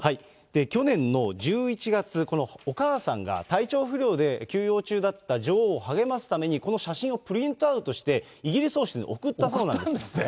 去年の１１月、このお母さんが体調不良で休養中だった女王を励ますために、この写真をプリントアウトしてイギリス王室に送ったそうなんです。